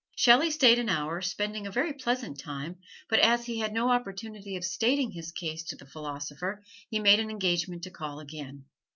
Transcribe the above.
Shelley stayed an hour, spending a very pleasant time, but as he had no opportunity of stating his case to the philosopher he made an engagement to call again.